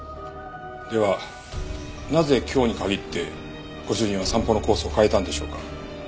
ではなぜ今日に限ってご主人は散歩のコースを変えたんでしょうか？